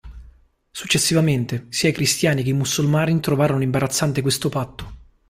Successivamente, sia i cristiani che i musulmani trovarono imbarazzante questo patto.